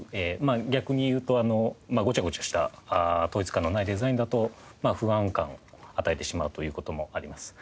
逆に言うとゴチャゴチャした統一感のないデザインだと不安感を与えてしまうという事もあります。